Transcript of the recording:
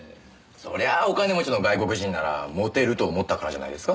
そりゃあお金持ちの外国人ならモテると思ったからじゃないですか。